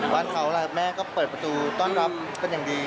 ว่าเขาแม่ก็เปิดประตูต้อนรับเป็นอย่างดี